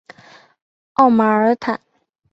奥马尔坦。